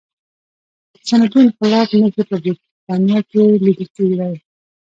د صنعتي انقلاب نښې په برتانیا کې لیدل کېدې.